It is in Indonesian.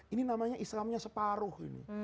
ini namanya islamnya separuh